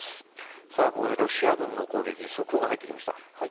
ここでロシア軍の攻撃速報が入ってきました。